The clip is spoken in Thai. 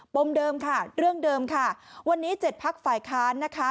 มเดิมค่ะเรื่องเดิมค่ะวันนี้๗พักฝ่ายค้านนะคะ